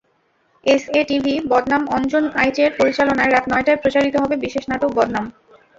SA টিভিবদনামঅঞ্জন আইচের পরিচালনায় রাত নয়টায় প্রচারিত হবে বিশেষ নাটক বদনাম।